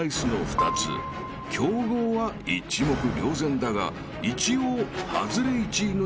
［競合は一目瞭然だが一応］